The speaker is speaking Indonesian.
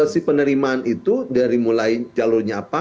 si penerimaan itu dari mulai jalurnya apa